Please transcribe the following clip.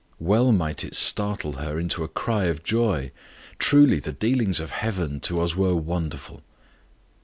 Well might it startle her into a cry of joy. Truly the dealings of heaven to us were wonderful!